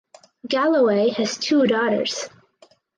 Galloway has two daughters.